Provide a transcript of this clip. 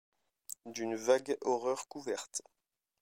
D’une vague horreur couverte